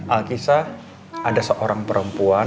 alkisah ada seorang perempuan